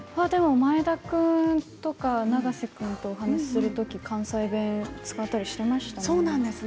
前田君とか永瀬君と話すときは、関西弁を使ったりしていましたね。